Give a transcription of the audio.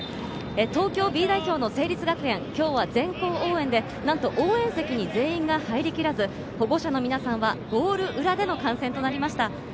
東京Ｂ代表の成立学園、今日は全校応援でなんと応援席に全員が入りきらず、保護者の皆さんはゴール裏での観戦となりました。